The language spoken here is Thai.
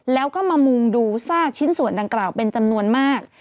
แล้วก็มามุงดูซากชิ้นส่วนดังกล่าวเป็นจำนวนมาก